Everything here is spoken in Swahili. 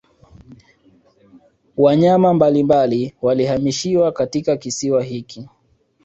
Wanyama mbalimbali walihamishiwa katika kisiwa hiki